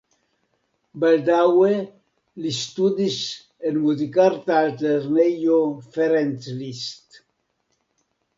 Baldaŭe li studis en Muzikarta Altlernejo Ferenc Liszt.